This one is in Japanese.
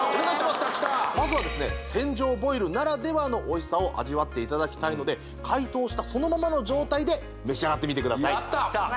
まずはですね船上ボイルならではのおいしさを味わっていただきたいので解凍したそのままの状態で召し上がってみてくださいやった！